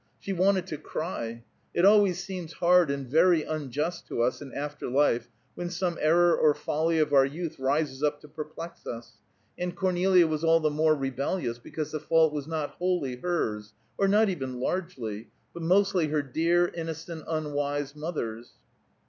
She wanted to cry; it always seems hard and very unjust to us, in after life, when some error or folly of our youth rises up to perplex us; and Cornelia was all the more rebellious because the fault was not wholly hers, or not even largely, but mostly her dear, innocent, unwise mother's.